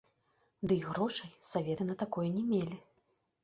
Дый грошай саветы на такое не мелі.